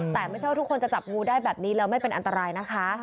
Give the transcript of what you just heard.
แต่ไม่ใช่ว่าทุกคนจะจับงูได้แบบนี้แล้วไม่เป็นอันตรายนะคะ